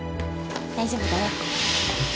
大丈夫だよ。